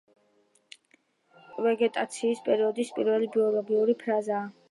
ვეგეტაციის პერიოდის პირველი ბიოლოგიური ფაზა.